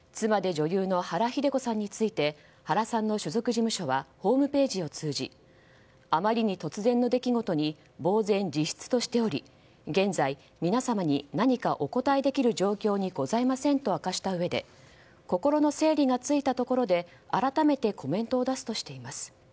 妻で女優の原日出子さんについて原さんの所属事務所はホームページを通じあまりに突然の出来事にぼうぜん自失としており現在、皆様に何かお答えできる状況にございませんと明かしたうえで心の整理がついたところであらためてコメントを出すとしています。